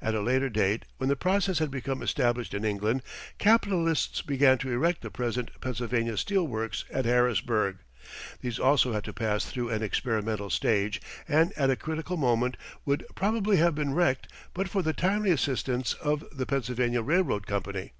At a later date, when the process had become established in England, capitalists began to erect the present Pennsylvania Steel Works at Harrisburg. These also had to pass through an experimental stage and at a critical moment would probably have been wrecked but for the timely assistance of the Pennsylvania Railroad Company.